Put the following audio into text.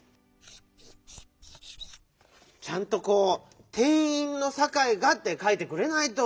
ちゃんとこう「てんいんのサカイが」ってかいてくれないと！